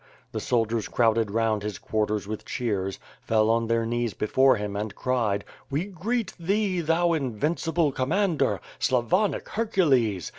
The soldiers crowded round his quarters with cheers; fell on their knees before him and cried; "We grreet thee, thou invincible com mander, Slavonic Hercules!